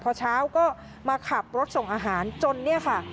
พอเช้าก็มาขับรถส่งอาหารจนเนี่ยค่ะ